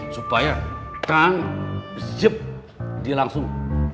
supaya kan dia langsung